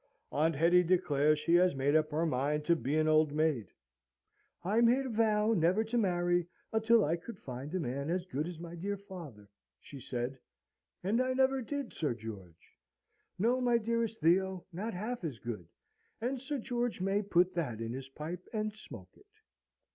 Aunt Hetty declares she has made up her mind to be an old maid. "I made a vow never to marry until I could find a man as good as my dear father," she said; "and I never did, Sir George. No, my dearest Theo, not half as good; and Sir George may put that in his pipe and smoke it."